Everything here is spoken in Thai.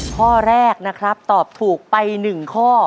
ข้อแรกนะครับตอบถูกไป๑ข้อ